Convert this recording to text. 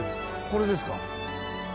これです。